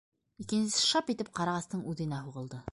Икенсеһе шап итеп ҡарағастың үҙенә һуғылды.